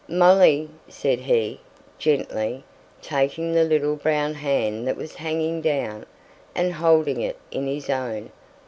"Molly!" said he, gently, taking the little brown hand that was hanging down, and holding it in his own.